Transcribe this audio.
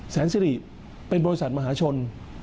แสนสิริเป็นบริษัทมหาชน